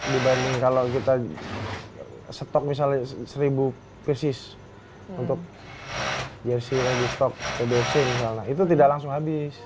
dibanding kalau kita stok misalnya seribu persis untuk jersi lagi stok tbc misalnya itu tidak langsung habis